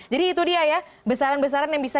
jadi itu dia ya besaran besaran yang bisa